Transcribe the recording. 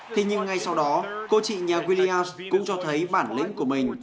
thế nhưng ngay sau đó cô chị nhà willias cũng cho thấy bản lĩnh của mình